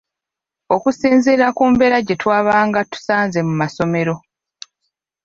Okusinziira ku mbeera gye twabanga tusanze mu masomero.